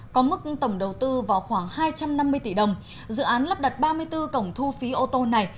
có mức tổng đầu tư vào khoảng hai trăm năm mươi tỷ đồng dự án lắp đặt ba mươi bốn cổng thu phí ô tô này